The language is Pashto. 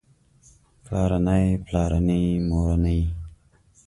پلارنی پلارني مورنۍ